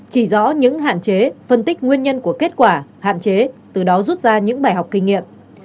chỉ rõ những hạn chế phân tích nguyên nhân của kết quả hạn chế từ đó rút ra những bài học kinh nghiệm